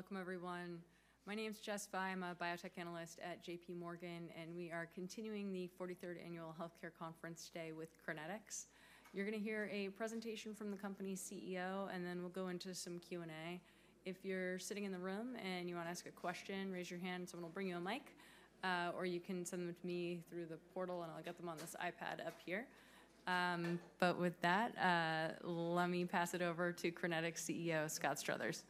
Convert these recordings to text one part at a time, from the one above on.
Great. Welcome, everyone. My name's Jess Fye. I'm a Biotech Analyst at JPMorgan, and we are continuing the 43rd Annual Healthcare Conference today with Crinetics. You're going to hear a presentation from the company's CEO, and then we'll go into some Q&A. If you're sitting in the room and you want to ask a question, raise your hand, and someone will bring you a mic. Or you can send them to me through the portal, and I'll get them on this iPad up here. But with that, let me pass it over to Crinetics CEO, Scott Struthers.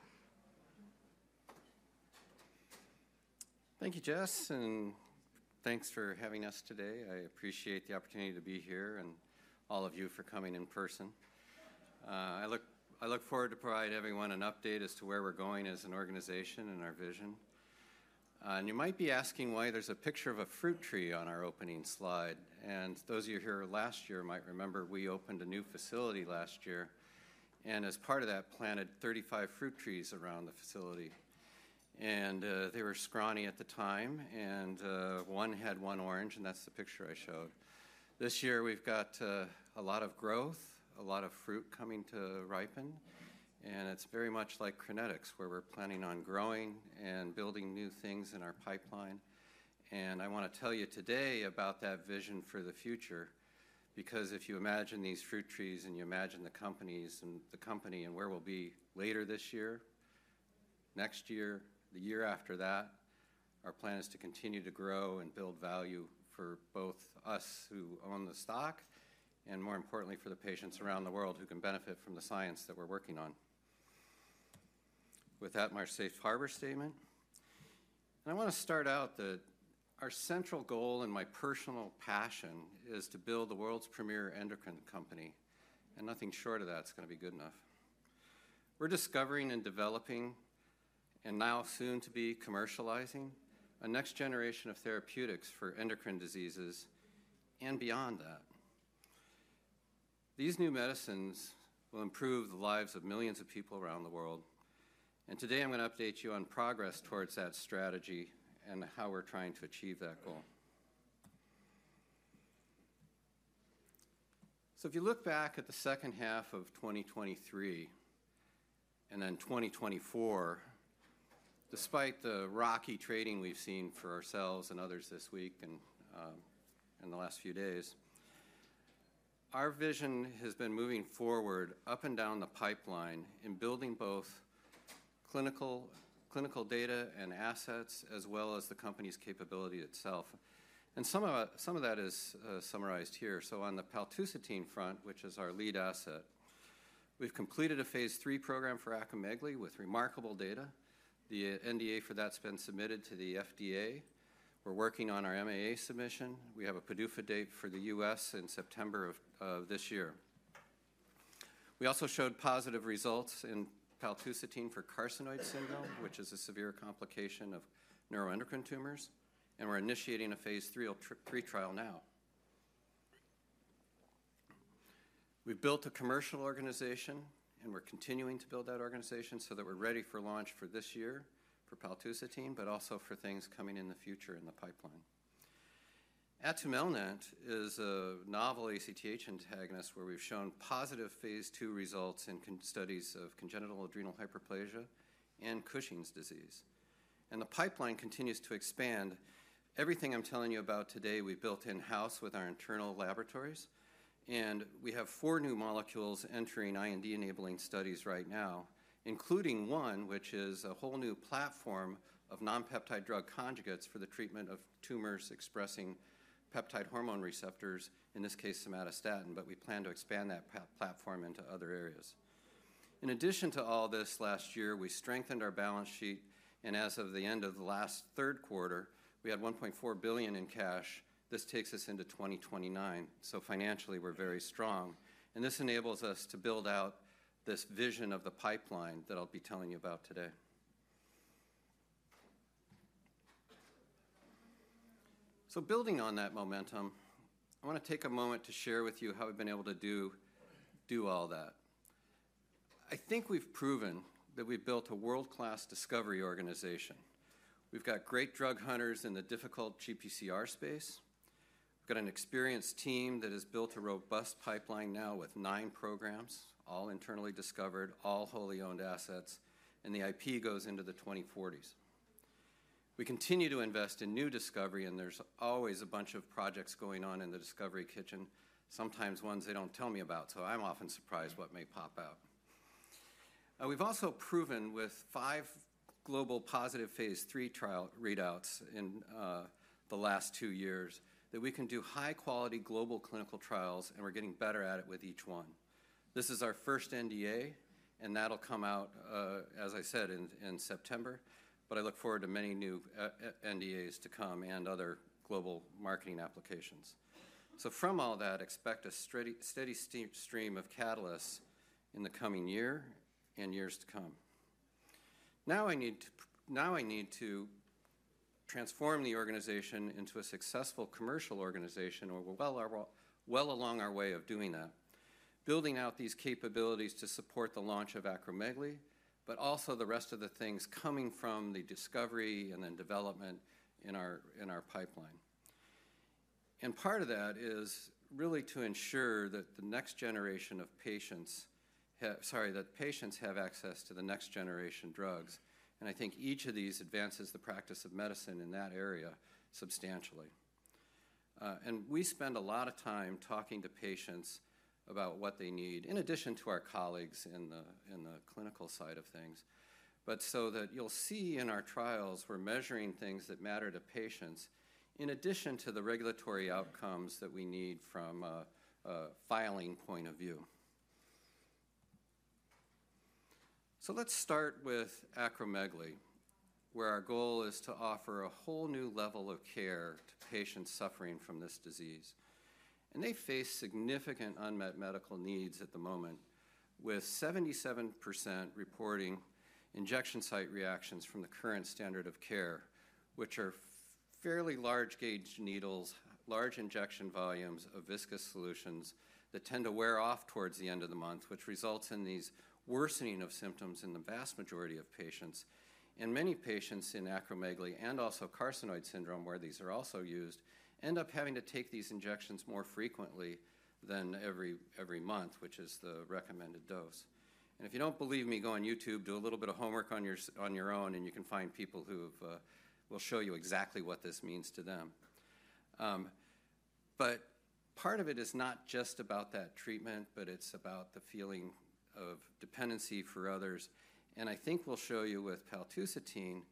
Thank you, Jess, and thanks for having us today. I appreciate the opportunity to be here, and all of you for coming in person. I look forward to providing everyone an update as to where we're going as an organization and our vision, and you might be asking why there's a picture of a fruit tree on our opening slide, and those of you here last year might remember we opened a new facility last year, and as part of that, planted 35 fruit trees around the facility, and they were scrawny at the time, and one had one orange, and that's the picture I showed. This year, we've got a lot of growth, a lot of fruit coming to ripen, and it's very much like Crinetics, where we're planning on growing and building new things in our pipeline. I want to tell you today about that vision for the future, because if you imagine these fruit trees and you imagine the companies and the company and where we'll be later this year, next year, the year after that, our plan is to continue to grow and build value for both us who own the stock and, more importantly, for the patients around the world who can benefit from the science that we're working on. With that, my safe harbor statement. I want to start out that our central goal and my personal passion is to build the world's premier endocrine company, and nothing short of that is going to be good enough. We're discovering and developing, and now soon to be commercializing, a next generation of therapeutics for endocrine diseases and beyond that. These new medicines will improve the lives of millions of people around the world, and today I'm going to update you on progress towards that strategy and how we're trying to achieve that goal, so if you look back at the second half of 2023 and then 2024, despite the rocky trading we've seen for ourselves and others this week and in the last few days, our vision has been moving forward up and down the pipeline in building both clinical data and assets, as well as the company's capability itself, and some of that is summarized here, so on the paltusotine front, which is our lead asset, we've completed a phase III program for acromegaly with remarkable data. The NDA for that has been submitted to the FDA. We're working on our MAA submission. We have a PDUFA date for the U.S. in September of this year. We also showed positive results in paltusotine for carcinoid syndrome, which is a severe complication of neuroendocrine tumors, and we're initiating a phase III trial now. We've built a commercial organization, and we're continuing to build that organization so that we're ready for launch for this year for paltusotine, but also for things coming in the future in the pipeline. Atumelnant is a novel ACTH antagonist where we've shown positive phase II results in studies of congenital adrenal hyperplasia and Cushing's disease. The pipeline continues to expand. Everything I'm telling you about today, we built in-house with our internal laboratories, and we have four new molecules entering IND-enabling studies right now, including one which is a whole new platform of non-peptide drug conjugates for the treatment of tumors expressing peptide hormone receptors, in this case, somatostatin, but we plan to expand that platform into other areas. In addition to all this, last year we strengthened our balance sheet, and as of the end of the last third quarter, we had $1.4 billion in cash. This takes us into 2029. So financially, we're very strong, and this enables us to build out this vision of the pipeline that I'll be telling you about today. So building on that momentum, I want to take a moment to share with you how we've been able to do all that. I think we've proven that we've built a world-class discovery organization. We've got great drug hunters in the difficult GPCR space. We've got an experienced team that has built a robust pipeline now with nine programs, all internally discovered, all wholly owned assets, and the IP goes into the 2040s. We continue to invest in new discovery, and there's always a bunch of projects going on in the discovery kitchen, sometimes ones they don't tell me about, so I'm often surprised what may pop out. We've also proven with five global positive phase III trial readouts in the last two years that we can do high-quality global clinical trials, and we're getting better at it with each one. This is our first NDA, and that'll come out, as I said, in September, but I look forward to many new NDAs to come and other global marketing applications. So from all that, expect a steady stream of catalysts in the coming year and years to come. Now I need to transform the organization into a successful commercial organization, and we're well along our way of doing that, building out these capabilities to support the launch of acromegaly, but also the rest of the things coming from the discovery and then development in our pipeline. And part of that is really to ensure that the next generation of patients have, sorry, that patients have access to the next generation drugs. And I think each of these advances the practice of medicine in that area substantially. And we spend a lot of time talking to patients about what they need, in addition to our colleagues in the clinical side of things, but so that you'll see in our trials we're measuring things that matter to patients in addition to the regulatory outcomes that we need from a filing point of view. Let's start with acromegaly, where our goal is to offer a whole new level of care to patients suffering from this disease. They face significant unmet medical needs at the moment, with 77% reporting injection site reactions from the current standard of care, which are fairly large-gauge needles, large injection volumes of viscous solutions that tend to wear off towards the end of the month, which results in these worsening of symptoms in the vast majority of patients. Many patients in acromegaly and also carcinoid syndrome, where these are also used, end up having to take these injections more frequently than every month, which is the recommended dose. If you don't believe me, go on YouTube, do a little bit of homework on your own, and you can find people who will show you exactly what this means to them. But part of it is not just about that treatment, but it's about the feeling of dependency for others. And I think we'll show you with paltusotine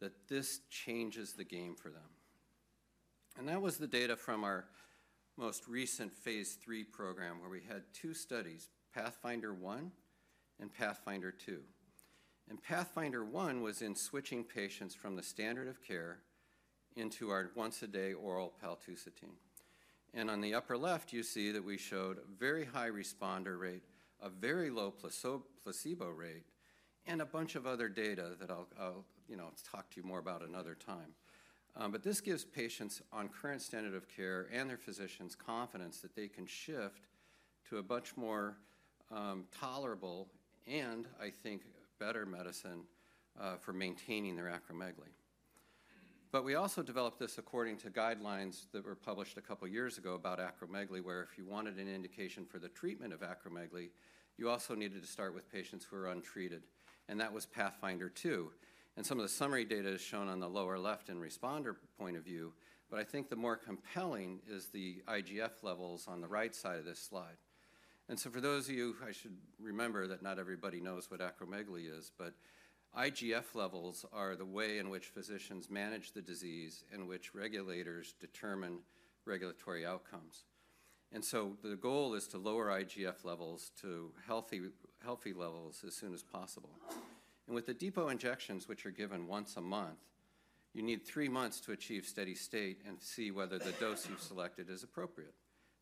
that this changes the game for them. And that was the data from our most recent phase III program, where we had two studies, PATHFNDR-1 and PATHFNDR-2. And PATHFNDR-1 was in switching patients from the standard of care into our once-a-day oral paltusotine. And on the upper left, you see that we showed a very high responder rate, a very low placebo rate, and a bunch of other data that I'll talk to you more about another time. But this gives patients on current standard of care and their physicians confidence that they can shift to a much more tolerable and, I think, better medicine for maintaining their acromegaly. But we also developed this according to guidelines that were published a couple of years ago about acromegaly, where if you wanted an indication for the treatment of acromegaly, you also needed to start with patients who are untreated, and that was PATHFNDR-2. And some of the summary data is shown on the lower left in responder point of view, but I think the more compelling is the IGF levels on the right side of this slide. And so for those of you, I should remember that not everybody knows what acromegaly is, but IGF levels are the way in which physicians manage the disease and which regulators determine regulatory outcomes. And so the goal is to lower IGF levels to healthy levels as soon as possible. And with the depot injections, which are given once a month, you need three months to achieve steady state and see whether the dose you've selected is appropriate.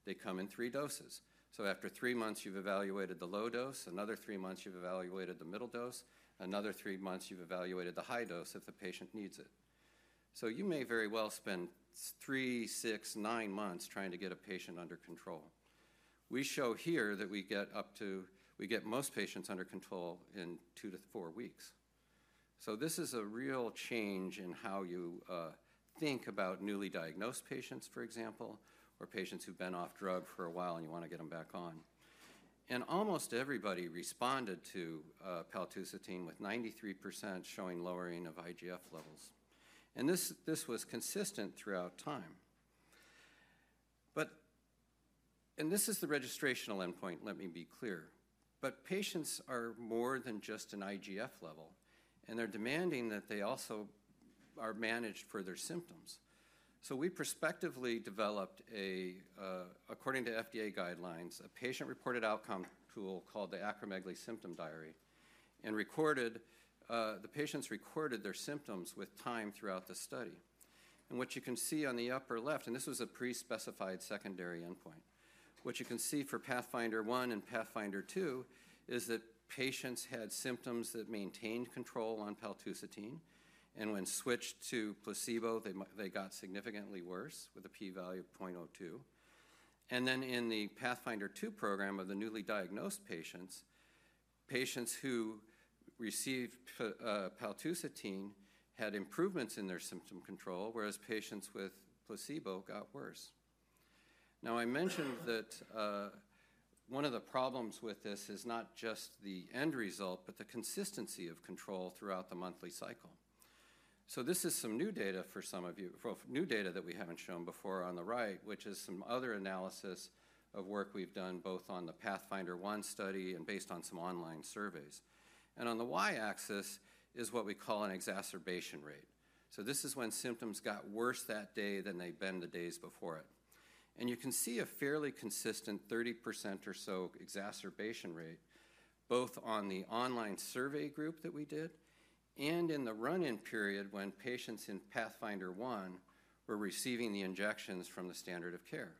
They come in three doses. So after three months, you've evaluated the low dose. Another three months, you've evaluated the middle dose. Another three months, you've evaluated the high dose if the patient needs it. So you may very well spend three, six, nine months trying to get a patient under control. We show here that we get most patients under control in two to four weeks. So this is a real change in how you think about newly diagnosed patients, for example, or patients who've been off drug for a while and you want to get them back on. And almost everybody responded to paltusotine with 93% showing lowering of IGF levels. And this was consistent throughout time. This is the registrational endpoint, let me be clear. But patients are more than just an IGF level, and they're demanding that they also are managed for their symptoms. So we prospectively developed, according to FDA guidelines, a patient-reported outcome tool called the Acromegaly Symptom Diary and the patients recorded their symptoms with time throughout the study. And what you can see on the upper left, and this was a pre-specified secondary endpoint, what you can see for PATHFNDR-1 and PATHFNDR-2 is that patients had symptoms that maintained control on paltusotine, and when switched to placebo, they got significantly worse with a p-value of 0.02. And then in the PATHFNDR-2 program of the newly diagnosed patients, patients who received paltusotine had improvements in their symptom control, whereas patients with placebo got worse. Now, I mentioned that one of the problems with this is not just the end result, but the consistency of control throughout the monthly cycle, so this is some new data for some of you, new data that we haven't shown before on the right, which is some other analysis of work we've done both on the PATHFNDR-1 study and based on some online surveys, and on the y-axis is what we call an exacerbation rate, so this is when symptoms got worse that day than they've been the days before it, and you can see a fairly consistent 30% or so exacerbation rate, both on the online survey group that we did and in the run-in period when patients in PATHFNDR-1 were receiving the injections from the standard of care.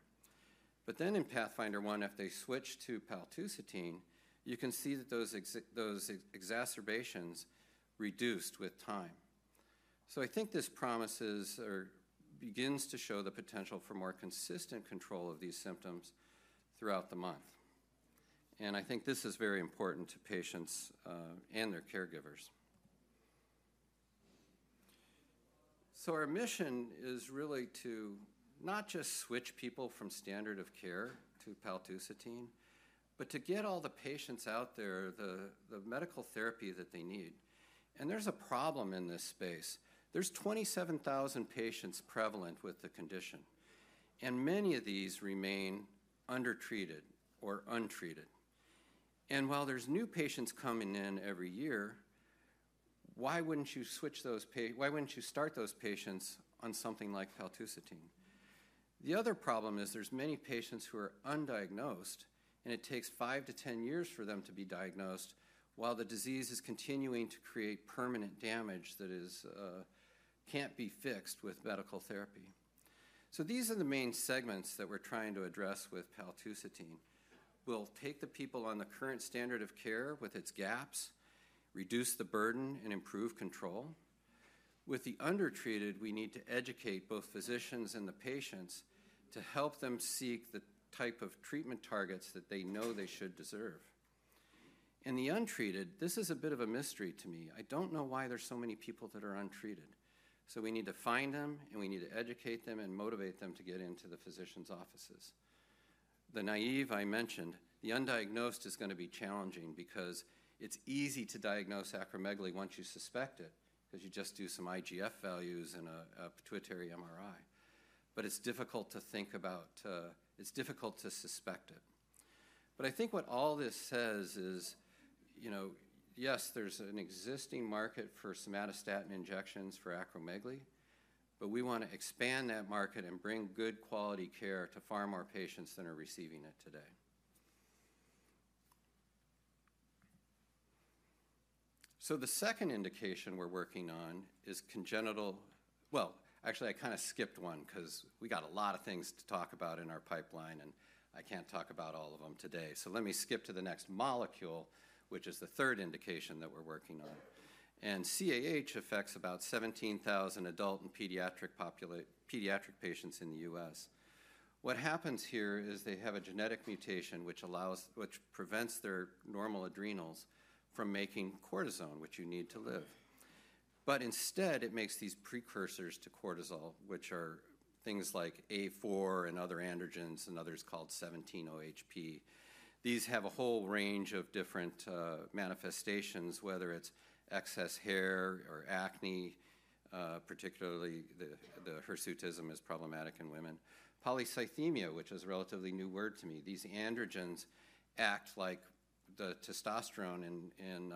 But then in PATHFNDR-1, if they switched to paltusotine, you can see that those exacerbations reduced with time. So I think this promises or begins to show the potential for more consistent control of these symptoms throughout the month. And I think this is very important to patients and their caregivers. So our mission is really to not just switch people from standard of care to paltusotine, but to get all the patients out there the medical therapy that they need. And there's a problem in this space. There's 27,000 patients prevalent with the condition, and many of these remain undertreated or untreated. And while there's new patients coming in every year, why wouldn't you switch those? Why wouldn't you start those patients on something like paltusotine? The other problem is there's many patients who are undiagnosed, and it takes five to 10 years for them to be diagnosed while the disease is continuing to create permanent damage that can't be fixed with medical therapy. So these are the main segments that we're trying to address with paltusotine. We'll take the people on the current standard of care with its gaps, reduce the burden, and improve control. With the undertreated, we need to educate both physicians and the patients to help them seek the type of treatment targets that they know they should deserve. And the untreated, this is a bit of a mystery to me. I don't know why there's so many people that are untreated. So we need to find them, and we need to educate them and motivate them to get into the physician's offices. The naive I mentioned, the undiagnosed is going to be challenging because it's easy to diagnose acromegaly once you suspect it because you just do some IGF values and a pituitary MRI. But it's difficult to think about. It's difficult to suspect it. But I think what all this says is, yes, there's an existing market for somatostatin injections for acromegaly, but we want to expand that market and bring good quality care to far more patients that are receiving it today. So the second indication we're working on is congenital, well, actually, I kind of skipped one because we got a lot of things to talk about in our pipeline, and I can't talk about all of them today. So let me skip to the next molecule, which is the third indication that we're working on. And CAH affects about 17,000 adult and pediatric patients in the U.S. What happens here is they have a genetic mutation which prevents their normal adrenals from making cortisone, which you need to live. But instead, it makes these precursors to cortisol, which are things like A4 and other androgens and others called 17-OHP. These have a whole range of different manifestations, whether it's excess hair or acne, particularly the hirsutism is problematic in women. Polycythemia, which is a relatively new word to me, these androgens act like the testosterone in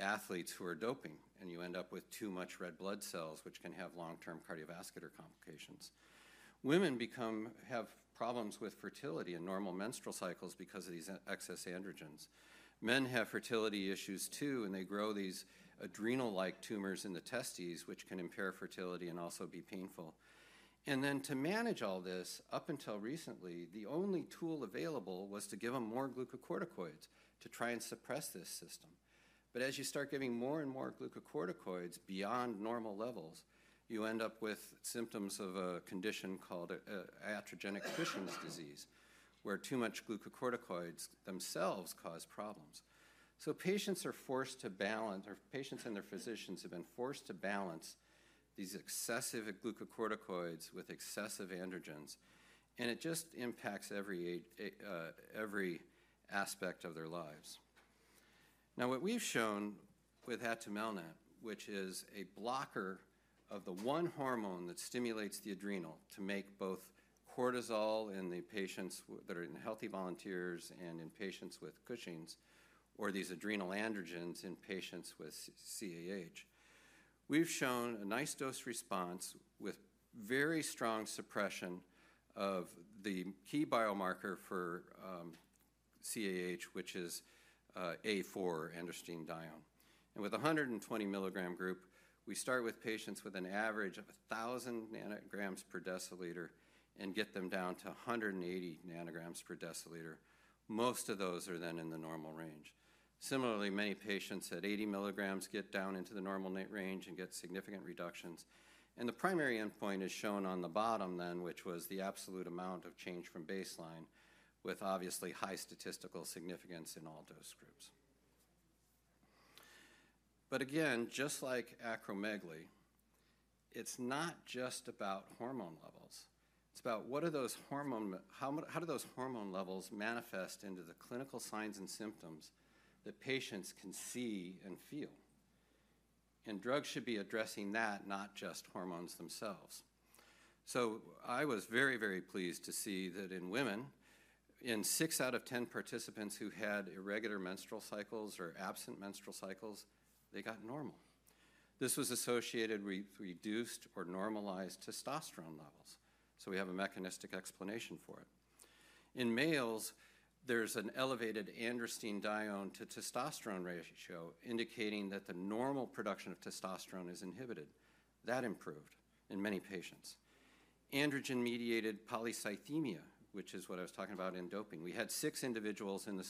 athletes who are doping, and you end up with too much red blood cells, which can have long-term cardiovascular complications. Women have problems with fertility and normal menstrual cycles because of these excess androgens. Men have fertility issues too, and they grow these adrenal-like tumors in the testes, which can impair fertility and also be painful. And then to manage all this, up until recently, the only tool available was to give them more glucocorticoids to try and suppress this system. But as you start giving more and more glucocorticoids beyond normal levels, you end up with symptoms of a condition called iatrogenic Cushing's disease, where too much glucocorticoids themselves cause problems. So patients are forced to balance, or patients and their physicians have been forced to balance these excessive glucocorticoids with excessive androgens, and it just impacts every aspect of their lives. Now, what we've shown with atumelnant, which is a blocker of the one hormone that stimulates the adrenal to make both cortisol in the patients that are in healthy volunteers and in patients with Cushing's, or these adrenal androgens in patients with CAH, we've shown a nice dose response with very strong suppression of the key biomarker for CAH, which is A4, androstenedione, and with a 120-milligram group, we start with patients with an average of 1,000 nanograms per deciliter and get them down to 180 nanograms per deciliter. Most of those are then in the normal range. Similarly, many patients at 80 milligrams get down into the normal range and get significant reductions, and the primary endpoint is shown on the bottom then, which was the absolute amount of change from baseline with obviously high statistical significance in all dose groups. But again, just like acromegaly, it's not just about hormone levels. It's about what are those hormone, how do those hormone levels manifest into the clinical signs and symptoms that patients can see and feel? And drugs should be addressing that, not just hormones themselves. So I was very, very pleased to see that in women, in six out of ten participants who had irregular menstrual cycles or absent menstrual cycles, they got normal. This was associated with reduced or normalized testosterone levels. So we have a mechanistic explanation for it. In males, there's an elevated androstenedione to testosterone ratio indicating that the normal production of testosterone is inhibited. That improved in many patients. Androgen-mediated polycythemia, which is what I was talking about in doping. We had six individuals in the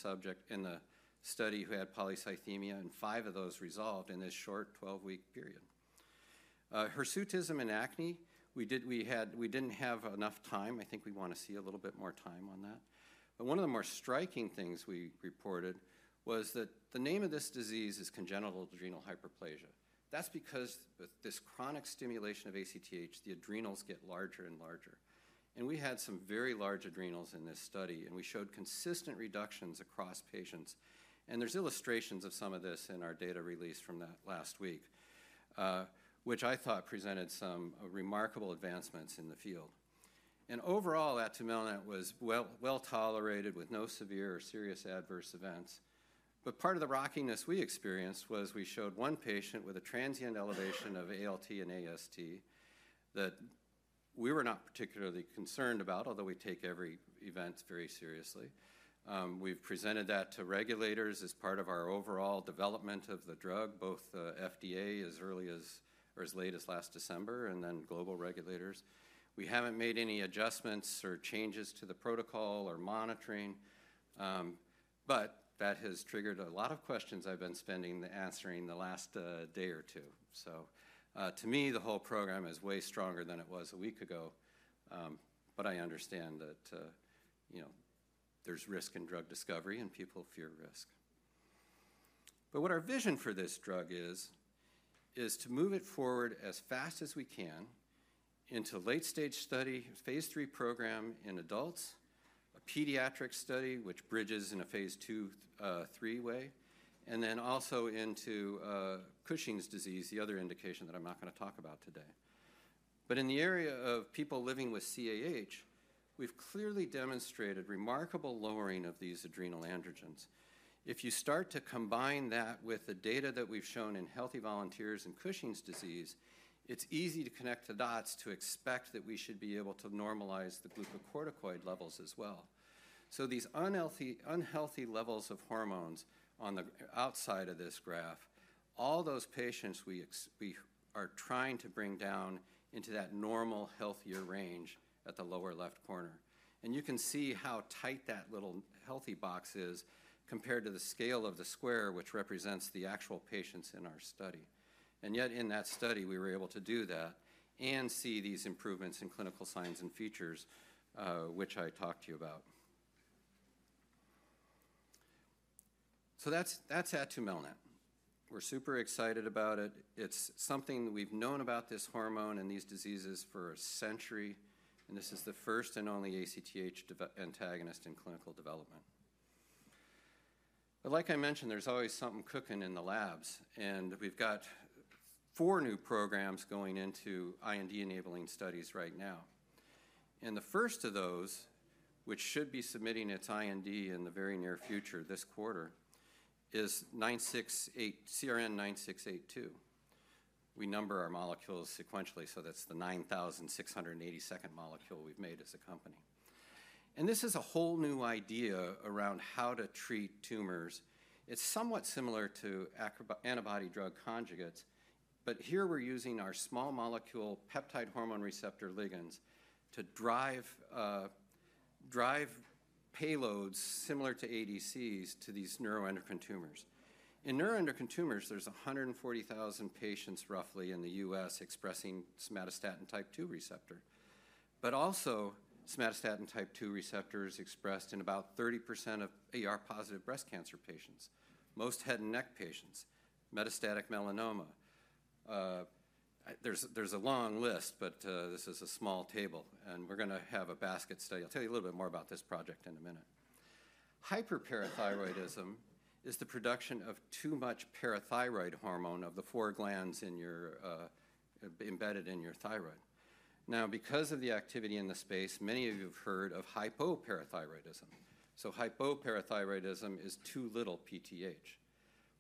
study who had polycythemia, and five of those resolved in this short 12-week period. Hirsutism and acne, we didn't have enough time. I think we want to see a little bit more time on that. But one of the more striking things we reported was that the name of this disease is congenital adrenal hyperplasia. That's because with this chronic stimulation of ACTH, the adrenals get larger and larger. And we had some very large adrenals in this study, and we showed consistent reductions across patients. And there's illustrations of some of this in our data release from last week, which I thought presented some remarkable advancements in the field. And overall, atumelnant was well tolerated with no severe or serious adverse events. But part of the rockiness we experienced was we showed one patient with a transient elevation of ALT and AST that we were not particularly concerned about, although we take every event very seriously. We've presented that to regulators as part of our overall development of the drug, both the FDA as early as or as late as last December and then global regulators. We haven't made any adjustments or changes to the protocol or monitoring, but that has triggered a lot of questions I've been spending answering the last day or two. So to me, the whole program is way stronger than it was a week ago, but I understand that there's risk in drug discovery and people fear risk. But what our vision for this drug is, is to move it forward as fast as we can into late-stage study, phase III program in adults, a pediatric study which bridges in phase II-III way, and then also into Cushing's disease, the other indication that I'm not going to talk about today. but in the area of people living with CAH, we've clearly demonstrated remarkable lowering of these adrenal androgens. If you start to combine that with the data that we've shown in healthy volunteers and Cushing's disease, it's easy to connect the dots to expect that we should be able to normalize the glucocorticoid levels as well. so these unhealthy levels of hormones on the outside of this graph, all those patients we are trying to bring down into that normal healthier range at the lower left corner. and you can see how tight that little healthy box is compared to the scale of the square, which represents the actual patients in our study. and yet in that study, we were able to do that and see these improvements in clinical signs and features, which I talked to you about. so that's atumelnant. We're super excited about it. It's something we've known about this hormone and these diseases for a century, and this is the first and only ACTH antagonist in clinical development. But like I mentioned, there's always something cooking in the labs, and we've got four new programs going into IND-enabling studies right now. And the first of those, which should be submitting its IND in the very near future this quarter, is CRN9682. We number our molecules sequentially, so that's the 9,682nd molecule we've made as a company. And this is a whole new idea around how to treat tumors. It's somewhat similar to antibody-drug conjugates, but here we're using our small molecule peptide hormone receptor ligands to drive payloads similar to ADCs to these neuroendocrine tumors. In neuroendocrine tumors, there's 140,000 patients roughly in the U.S. expressing somatostatin type 2 receptor, but also somatostatin type 2 receptors expressed in about 30% of ER-positive breast cancer patients, most head and neck patients, metastatic melanoma. There's a long list, but this is a small table, and we're going to have a basket study. I'll tell you a little bit more about this project in a minute. Hyperparathyroidism is the production of too much parathyroid hormone of the four glands embedded in your thyroid. Now, because of the activity in the space, many of you have heard of hypoparathyroidism. So hypoparathyroidism is too little PTH.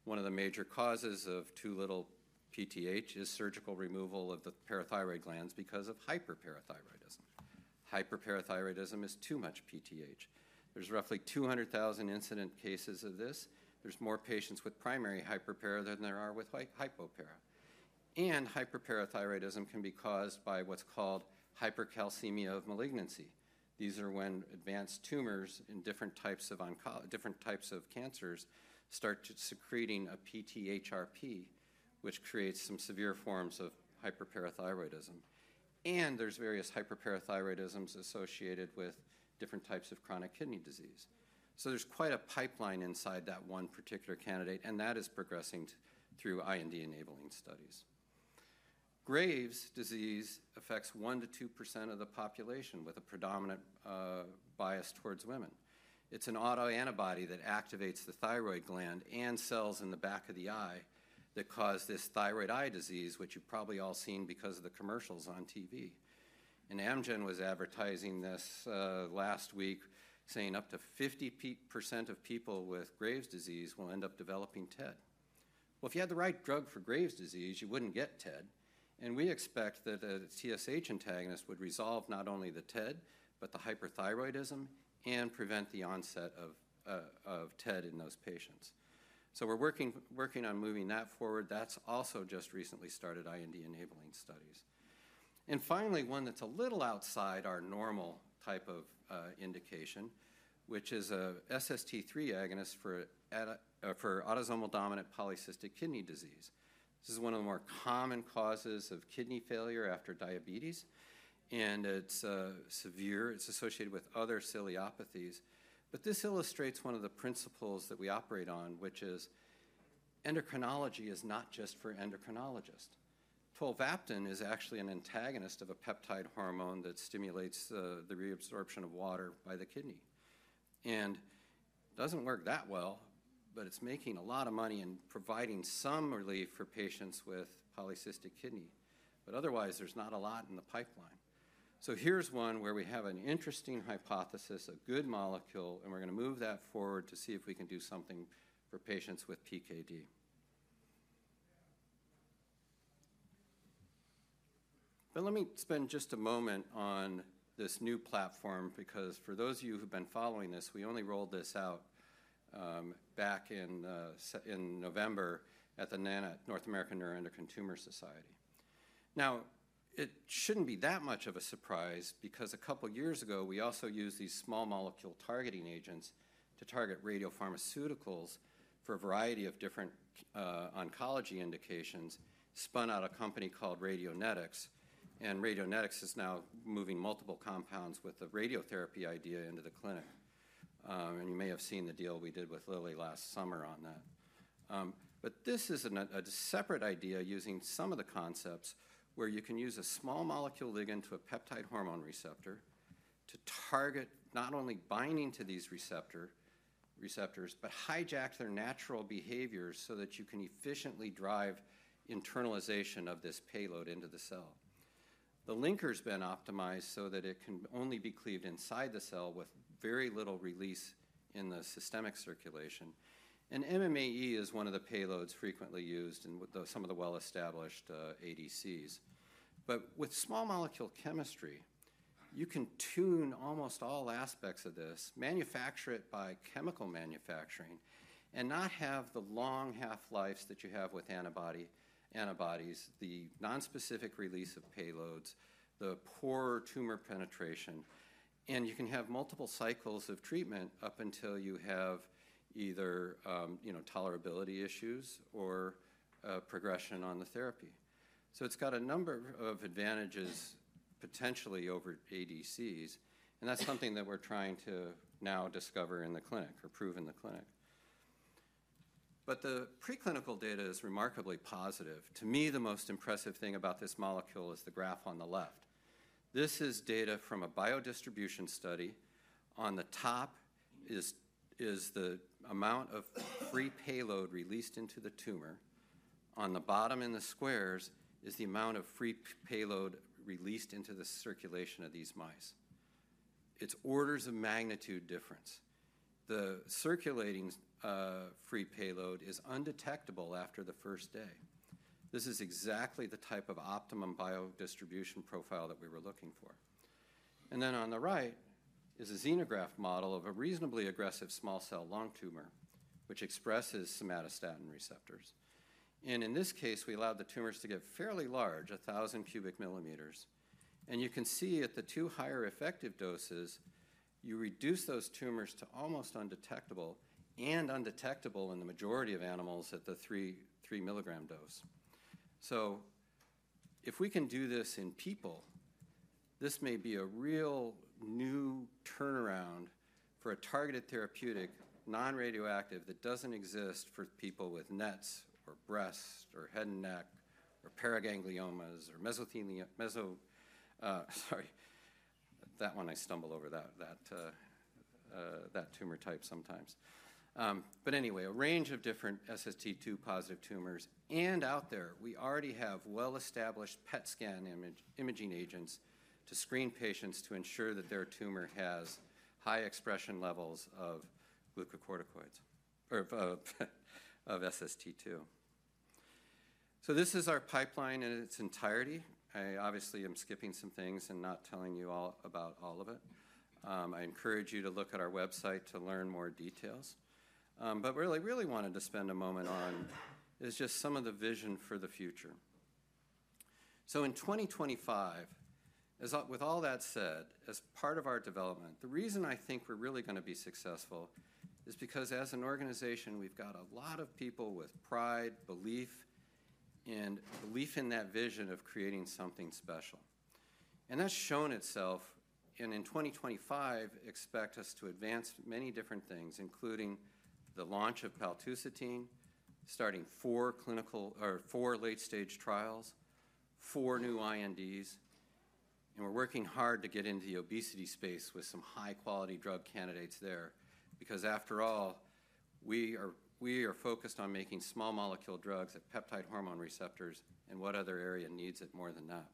One of the major causes of too little PTH is surgical removal of the parathyroid glands because of hyperparathyroidism. Hyperparathyroidism is too much PTH. There's roughly 200,000 incident cases of this. There's more patients with primary hyperpara than there are with hypopara. Hyperparathyroidism can be caused by what's called hypercalcemia of malignancy. These are when advanced tumors in different types of cancers start secreting a PTHrP, which creates some severe forms of hyperparathyroidism. There's various hyperparathyroidisms associated with different types of chronic kidney disease. There's quite a pipeline inside that one particular candidate, and that is progressing through IND-enabling studies. Graves' disease affects 1%-2% of the population with a predominant bias towards women. It's an autoantibody that activates the thyroid gland and cells in the back of the eye that cause this thyroid eye disease, which you've probably all seen because of the commercials on TV. Amgen was advertising this last week, saying up to 50% of people with Graves' disease will end up developing TED. If you had the right drug for Graves' disease, you wouldn't get TED. We expect that a TSH antagonist would resolve not only the TED, but the hyperthyroidism and prevent the onset of TED in those patients. We're working on moving that forward. That's also just recently started IND-enabling studies. Finally, one that's a little outside our normal type of indication, which is an SST3 agonist for autosomal dominant polycystic kidney disease. This is one of the more common causes of kidney failure after diabetes, and it's severe. It's associated with other ciliopathies. This illustrates one of the principles that we operate on, which is endocrinology is not just for endocrinologists. Tolvaptan is actually an antagonist of a peptide hormone that stimulates the reabsorption of water by the kidney. It doesn't work that well, but it's making a lot of money and providing some relief for patients with polycystic kidney. But otherwise, there's not a lot in the pipeline. So here's one where we have an interesting hypothesis, a good molecule, and we're going to move that forward to see if we can do something for patients with PKD. But let me spend just a moment on this new platform because for those of you who've been following this, we only rolled this out back in November at the North American Neuroendocrine Tumor Society. Now, it shouldn't be that much of a surprise because a couple of years ago, we also used these small molecule targeting agents to target radiopharmaceuticals for a variety of different oncology indications, spun out a company called Radionetics, and Radionetics is now moving multiple compounds with the radiotherapy idea into the clinic. And you may have seen the deal we did with Lilly last summer on that. But this is a separate idea using some of the concepts where you can use a small molecule ligand to a peptide hormone receptor to target not only binding to these receptors, but hijack their natural behaviors so that you can efficiently drive internalization of this payload into the cell. The linker has been optimized so that it can only be cleaved inside the cell with very little release in the systemic circulation. And MMAE is one of the payloads frequently used in some of the well-established ADCs. But with small molecule chemistry, you can tune almost all aspects of this, manufacture it by chemical manufacturing, and not have the long half-lives that you have with antibodies, the nonspecific release of payloads, the poor tumor penetration, and you can have multiple cycles of treatment up until you have either tolerability issues or progression on the therapy. So it's got a number of advantages potentially over ADCs, and that's something that we're trying to now discover in the clinic or prove in the clinic. But the preclinical data is remarkably positive. To me, the most impressive thing about this molecule is the graph on the left. This is data from a biodistribution study. On the top is the amount of free payload released into the tumor. On the bottom in the squares is the amount of free payload released into the circulation of these mice. It's orders of magnitude difference. The circulating free payload is undetectable after the first day. This is exactly the type of optimum biodistribution profile that we were looking for. And then on the right is a xenograft model of a reasonably aggressive small cell lung tumor, which expresses somatostatin receptors. In this case, we allowed the tumors to get fairly large, 1,000 cubic millimeters. You can see at the two higher effective doses, you reduce those tumors to almost undetectable and undetectable in the majority of animals at the three milligram dose. If we can do this in people, this may be a real new turnaround for a targeted therapeutic, non-radioactive that doesn't exist for people with NETs or breast or head and neck or paragangliomas or mesothelioma. Sorry. That one I stumble over that tumor type sometimes. Anyway, a range of different SST2-positive tumors. Out there, we already have well-established PET scan imaging agents to screen patients to ensure that their tumor has high expression levels of SST2. This is our pipeline in its entirety. I obviously am skipping some things and not telling you all about all of it. I encourage you to look at our website to learn more details, but what I really wanted to spend a moment on is just some of the vision for the future, so in 2025, with all that said, as part of our development, the reason I think we're really going to be successful is because as an organization, we've got a lot of people with pride, belief, and belief in that vision of creating something special, and that's shown itself, and in 2025, expect us to advance many different things, including the launch of paltusotine, starting four clinical or four late-stage trials, four new INDs. And we're working hard to get into the obesity space with some high-quality drug candidates there because after all, we are focused on making small molecule drugs at peptide hormone receptors and what other area needs it more than that.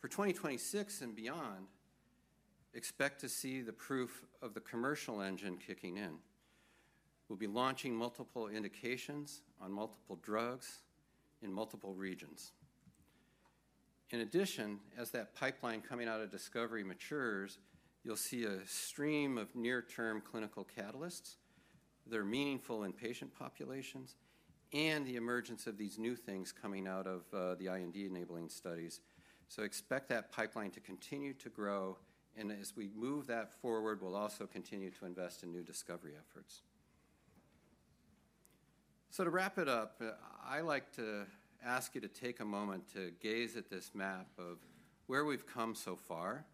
For 2026 and beyond, expect to see the proof of the commercial engine kicking in. We'll be launching multiple indications on multiple drugs in multiple regions. In addition, as that pipeline coming out of discovery matures, you'll see a stream of near-term clinical catalysts. They're meaningful in patient populations and the emergence of these new things coming out of the IND-enabling studies. So expect that pipeline to continue to grow. And as we move that forward, we'll also continue to invest in new discovery efforts. So to wrap it up, I'd like to ask you to take a moment to gaze at this map of where we've come so far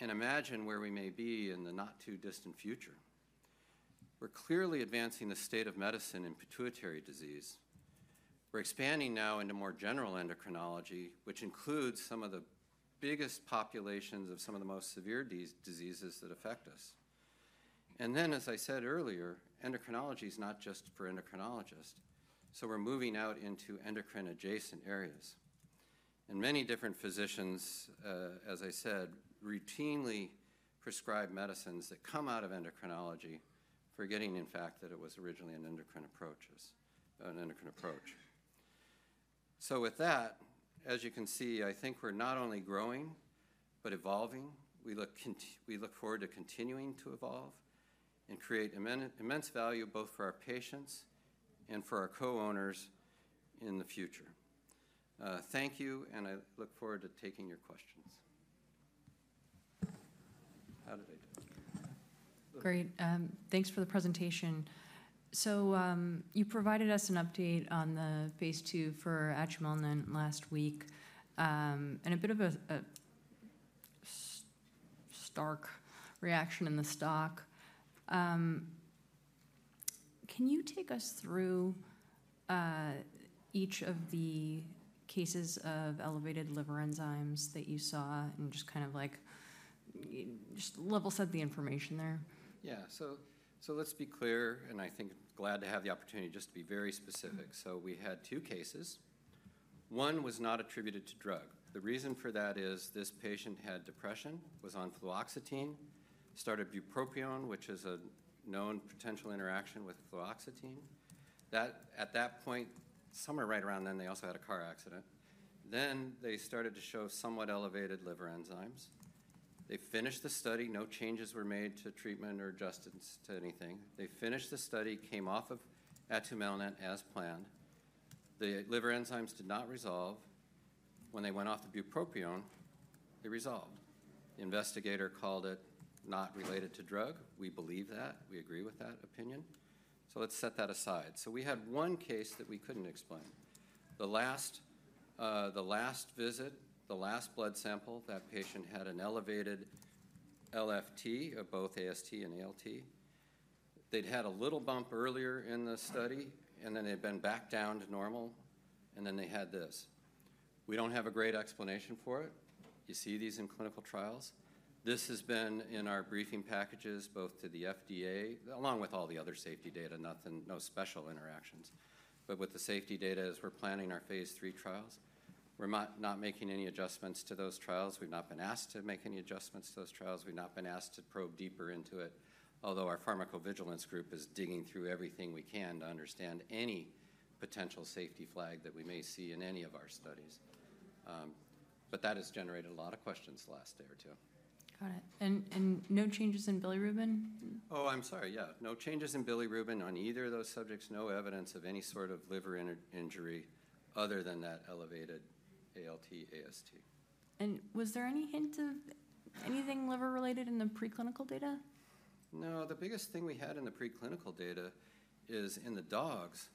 and imagine where we may be in the not-too-distant future. We're clearly advancing the state of medicine in pituitary disease. We're expanding now into more general endocrinology, which includes some of the biggest populations of some of the most severe diseases that affect us. And then, as I said earlier, endocrinology is not just for endocrinologists. So we're moving out into endocrine-adjacent areas. And many different physicians, as I said, routinely prescribe medicines that come out of endocrinology forgetting, in fact, that it was originally an endocrine approach. So with that, as you can see, I think we're not only growing, but evolving. We look forward to continuing to evolve and create immense value both for our patients and for our co-owners in the future. Thank you, and I look forward to taking your questions. How did I do? Great. Thanks for the presentation. So you provided us an update on the phase II for atumelnant last week and a bit of a stark reaction in the stock. Can you take us through each of the cases of elevated liver enzymes that you saw and just kind of like level set the information there? Yeah. So let's be clear, and I'm glad to have the opportunity just to be very specific. So we had two cases. One was not attributed to drug. The reason for that is this patient had depression, was on fluoxetine, started bupropion, which is a known potential interaction with fluoxetine. At that point, somewhere right around then, they also had a car accident. Then they started to show somewhat elevated liver enzymes. They finished the study. No changes were made to treatment or adjusted to anything. They finished the study, came off of atumelnant as planned. The liver enzymes did not resolve. When they went off the bupropion, it resolved. The investigator called it not related to drug. We believe that. We agree with that opinion. So let's set that aside. So we had one case that we couldn't explain. The last visit, the last blood sample, that patient had an elevated LFT of both AST and ALT. They'd had a little bump earlier in the study, and then they'd been back down to normal, and then they had this. We don't have a great explanation for it. You see these in clinical trials. This has been in our briefing packages both to the FDA, along with all the other safety data, no special interactions. But with the safety data, as we're planning our phase III trials, we're not making any adjustments to those trials. We've not been asked to make any adjustments to those trials. We've not been asked to probe deeper into it, although our pharmacovigilance group is digging through everything we can to understand any potential safety flag that we may see in any of our studies. But that has generated a lot of questions the last day or two. Got it. And no changes in bilirubin? Oh, I'm sorry. Yeah. No changes in bilirubin on either of those subjects. No evidence of any sort of liver injury other than that elevated ALT, AST. Was there any hint of anything liver-related in the preclinical data? No. The biggest thing we had in the preclinical data is in the dogs.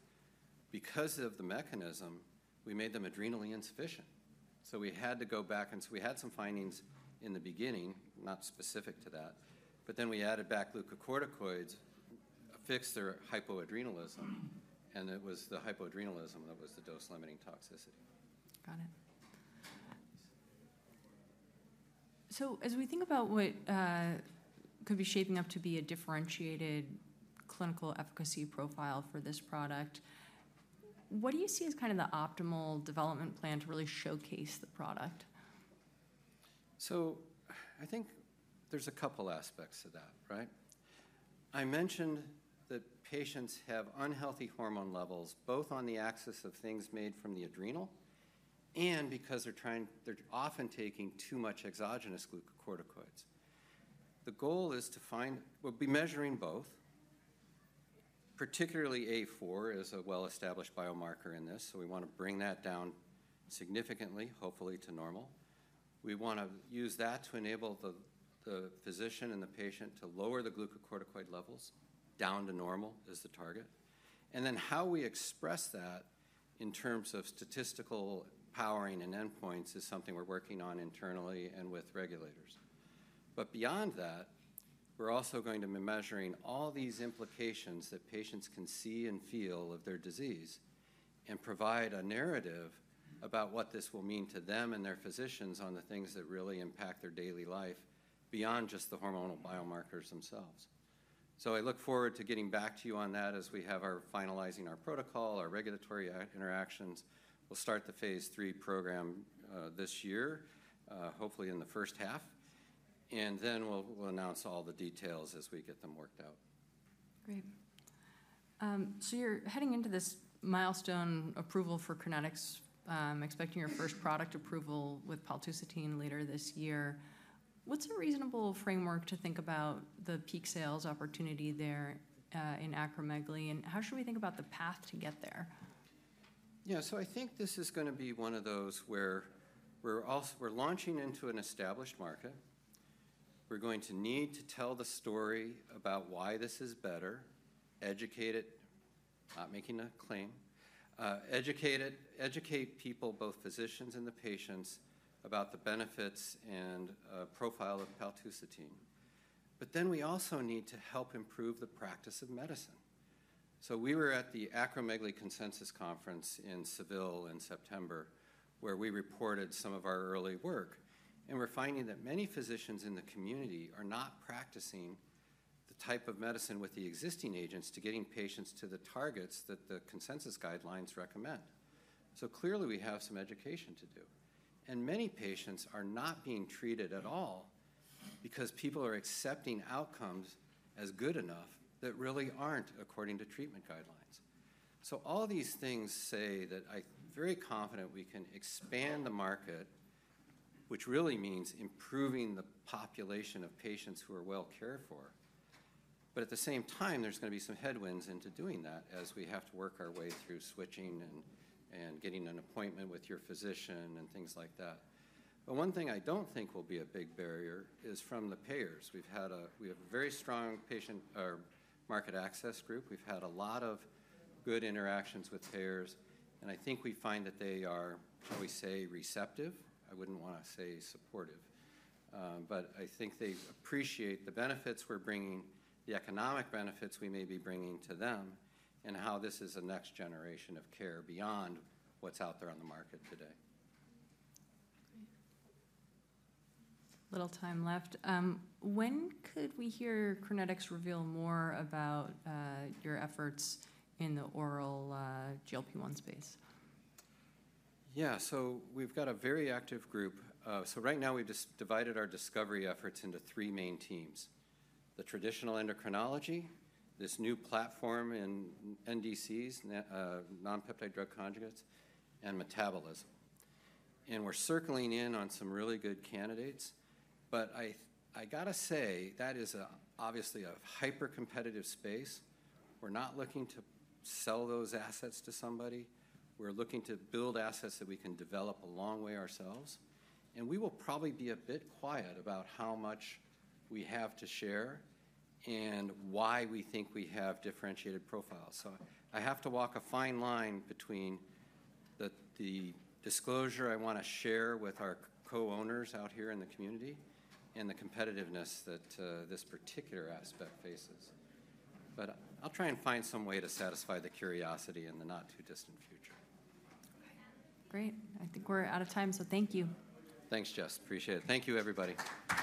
Because of the mechanism, we made them adrenally insufficient. So we had to go back. And so we had some findings in the beginning, not specific to that. But then we added back glucocorticoids, fixed their hypoadrenalism, and it was the hypoadrenalism that was the dose-limiting toxicity. Got it. So as we think about what could be shaping up to be a differentiated clinical efficacy profile for this product, what do you see as kind of the optimal development plan to really showcase the product? So I think there's a couple of aspects to that, right? I mentioned that patients have unhealthy hormone levels both on the axis of things made from the adrenal and because they're often taking too much exogenous glucocorticoids. The goal is to find we'll be measuring both, particularly A4 is a well-established biomarker in this. So we want to bring that down significantly, hopefully to normal. We want to use that to enable the physician and the patient to lower the glucocorticoid levels down to normal is the target. And then how we express that in terms of statistical powering and endpoints is something we're working on internally and with regulators. But beyond that, we're also going to be measuring all these implications that patients can see and feel of their disease and provide a narrative about what this will mean to them and their physicians on the things that really impact their daily life beyond just the hormonal biomarkers themselves. So I look forward to getting back to you on that as we have our finalizing our protocol, our regulatory interactions. We'll start the phase III program this year, hopefully in the first half. And then we'll announce all the details as we get them worked out. Great. So you're heading into this milestone approval for Crinetics, expecting your first product approval with paltusotine later this year. What's a reasonable framework to think about the peak sales opportunity there in acromegaly? And how should we think about the path to get there? Yeah. So I think this is going to be one of those where we're launching into an established market. We're going to need to tell the story about why this is better, educate it, not making a claim, educate people, both physicians and the patients, about the benefits and profile of paltusotine. But then we also need to help improve the practice of medicine. So we were at the Acromegaly Consensus Conference in Seville in September where we reported some of our early work. And we're finding that many physicians in the community are not practicing the type of medicine with the existing agents to getting patients to the targets that the consensus guidelines recommend. So clearly, we have some education to do. And many patients are not being treated at all because people are accepting outcomes as good enough that really aren't according to treatment guidelines. So all these things say that I'm very confident we can expand the market, which really means improving the population of patients who are well cared for. But at the same time, there's going to be some headwinds into doing that as we have to work our way through switching and getting an appointment with your physician and things like that. But one thing I don't think will be a big barrier is from the payers. We have a very strong patient market access group. We've had a lot of good interactions with payers. And I think we find that they are, shall we say, receptive. I wouldn't want to say supportive. But I think they appreciate the benefits we're bringing, the economic benefits we may be bringing to them, and how this is a next generation of care beyond what's out there on the market today. Great. Little time left. When could we hear Crinetics reveal more about your efforts in the oral GLP-1 space? Yeah. So we've got a very active group. So right now, we've just divided our discovery efforts into three main teams: the traditional endocrinology, this new platform in NDCs, non-peptide drug conjugates, and metabolism. And we're circling in on some really good candidates. But I got to say, that is obviously a hyper-competitive space. We're not looking to sell those assets to somebody. We're looking to build assets that we can develop a long way ourselves. And we will probably be a bit quiet about how much we have to share and why we think we have differentiated profiles. So I have to walk a fine line between the disclosure I want to share with our co-owners out here in the community and the competitiveness that this particular aspect faces. But I'll try and find some way to satisfy the curiosity in the not-too-distant future. Okay. Great. I think we're out of time, so thank you. Thanks, Jess. Appreciate it. Thank you, everybody.